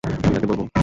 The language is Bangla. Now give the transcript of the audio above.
আমি তাকে বলবো।